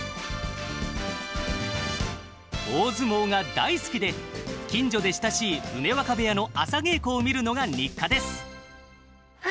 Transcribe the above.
大相撲が大好きで近所で親しい梅若部屋の朝稽古を見るのが日課です。